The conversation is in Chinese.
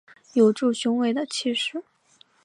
有著雄伟的气势